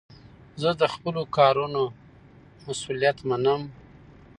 زه د خپلو کارونو مسئولیت منم.